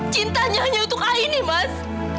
cintanya hanya untuk aini mas